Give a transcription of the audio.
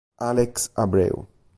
Álex Abreu